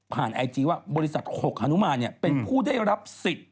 ไอจีว่าบริษัท๖ฮนุมานเป็นผู้ได้รับสิทธิ์